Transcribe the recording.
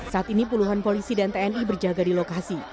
saat ini puluhan polisi dan tni berjaga di lokasi